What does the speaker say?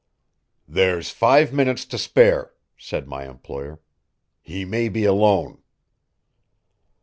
"There's five minutes to spare," said my employer. "He may be alone."